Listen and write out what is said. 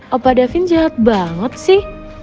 apa davin jahat banget sih